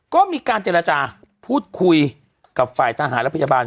ก็มีการเจรจาพูดคุยกับฝ่ายทหารและพยาบาล